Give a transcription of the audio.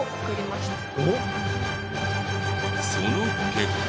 その結果。